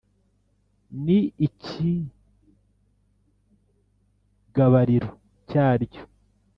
Ni ikigabariro cyaryo.